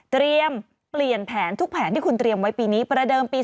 เตรียมเปลี่ยนแผนทุกแผนที่คุณเตรียมไว้ปีนี้ประเดิมปี๒๕